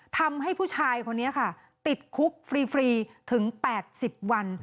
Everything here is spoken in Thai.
ทำให้ผู้ชายคนนี้ค่ะติดคุกฟรีถึง๘๐วัน